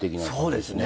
そうですね。